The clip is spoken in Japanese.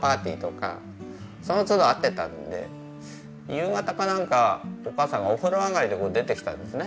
夕方かなんかお母さんがお風呂上がりで出てきたんですね。